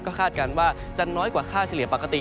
คาดการณ์ว่าจะน้อยกว่าค่าเฉลี่ยปกติ